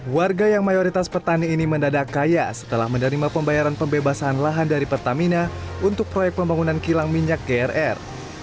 warga yang mayoritas petani ini mendadak kaya setelah menerima pembayaran pembebasan lahan dari pertamina untuk proyek pembangunan kilang minyak grr